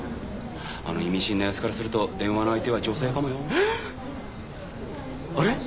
あの意味深な様子からすると電話の相手は女性かもよ。えっ！あれ？